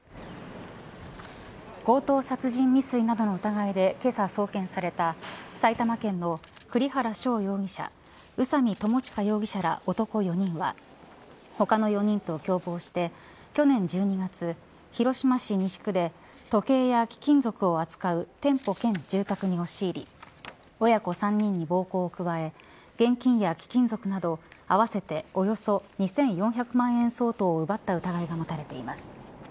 強盗殺人未遂などの疑いでけさ送検された埼玉県の栗原翔容疑者宇佐見巴悠容疑者ら男４人は他の４人と共謀して去年１２月、広島市西区で時計や貴金属を扱う店舗兼住宅に押し入り親子３人に暴行を加え現金や貴金属など合わせておよそ２４００万円相当を奪った疑いが持たれています。